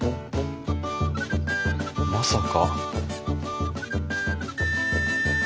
まさか。